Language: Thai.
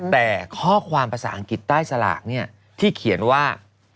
แต่ข้อความภาษาอังกฤษใต้สลากที่เขียนว่า